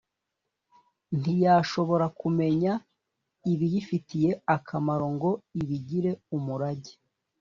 ntiyashobora kumenya ibiyifitiye akamaro ngo ibigire umurage